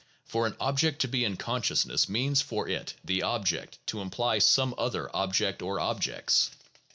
For an object to be in consciousness means for it (the object) to imply some other object or objects.